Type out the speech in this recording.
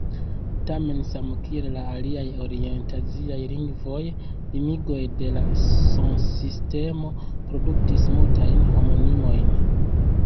Tamen, samkiel la aliaj orient-aziaj lingvoj, limigoj de la sonsistemo produktis multajn homonimojn.